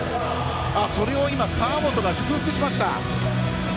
それを今、川本が祝福しました。